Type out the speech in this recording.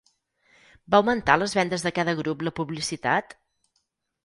Va augmentar les vendes de cada grup la publicitat?